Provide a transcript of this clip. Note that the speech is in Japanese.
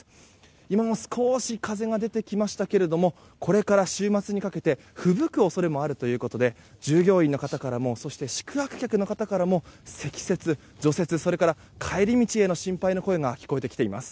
今、少し風が出てきましたけれどもこれから週末にかけてふぶく恐れもあるということで従業員の方からもそして宿泊客の方からも積雪、除雪、それから帰り道への心配の声が聞こえてきています。